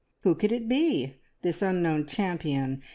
Who could it be this unknown champion?